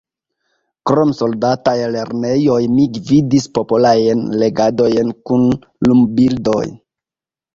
Krom soldataj lernejoj mi gvidis popolajn legadojn kun lumbildoj.